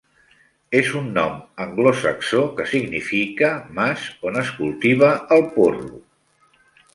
És un nom anglosaxó que significa "mas on es cultiva el porro".